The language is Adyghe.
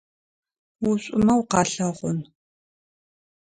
Ушӏумэ укъалъэгъун.